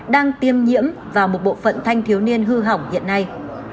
đang tiêm nhiễm vào một bộ phận thanh thiếu niên hư hỏng hiện nay